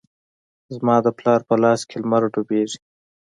زما د پلار په لاس کې لمر ډوبیږې